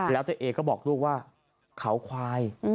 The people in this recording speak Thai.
แล้วตัวเองก็บอกลูกว่าเขาควาย